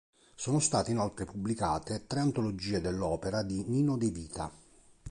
Sono state inoltre pubblicate tre antologie dell'opera di Nino De Vita.